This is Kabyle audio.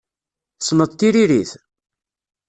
Tessneḍ tiririt?